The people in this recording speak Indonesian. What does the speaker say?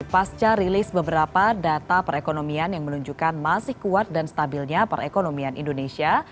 pasca rilis beberapa data perekonomian yang menunjukkan masih kuat dan stabilnya perekonomian indonesia